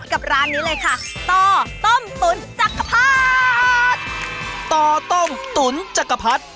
กับร้านนี้เลยค่ะต่อต้มตุ๋นจักรพัด